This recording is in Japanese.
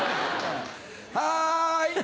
はい！